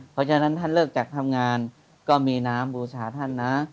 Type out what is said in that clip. เพราะฉะนั้นท่านเลิกจากทำงานก็มีน้ำบูชาท่านนะ